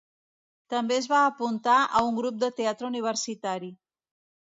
També es va apuntar a un grup de teatre universitari.